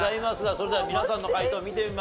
それでは皆さんの解答を見てみましょう。